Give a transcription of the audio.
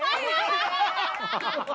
ハハハハ！